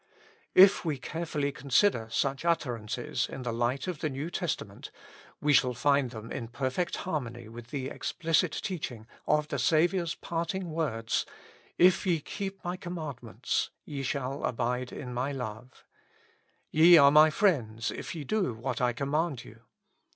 If we carefully consider such utterances in the light of the New Testament, we shall find them in perfect harmony with the ex pHcit teaching of the Saviour's parting words : ''If ye keep my commandments ye thall abide in my love ;"Ye are my friends if ye do what I command you."